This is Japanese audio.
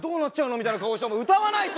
みたいな顔して歌わないと！